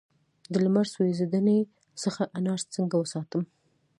د لمر سوځیدنې څخه انار څنګه وساتم؟